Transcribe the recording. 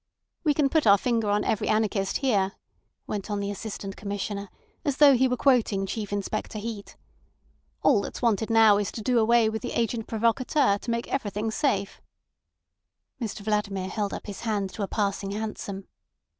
"We can put our finger on every anarchist here," went on the Assistant Commissioner, as though he were quoting Chief Inspector Heat. "All that's wanted now is to do away with the agent provocateur to make everything safe." Mr Vladimir held up his hand to a passing hansom.